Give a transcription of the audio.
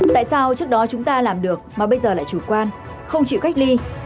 tại sao trước đó chúng ta làm được mà bây giờ lại chủ quan không chịu cách ly